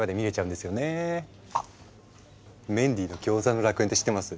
あっ「メンディーのギョーザの楽園」って知ってます？